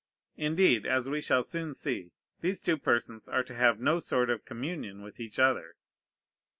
Indeed, as we shall soon see, these two persons are to have no sort of communion with each other.